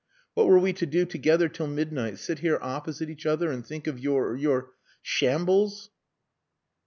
"What were we to do together till midnight? Sit here opposite each other and think of your your shambles?"